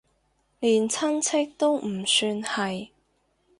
連親戚都唔算係